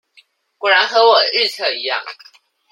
果然和我的預測一樣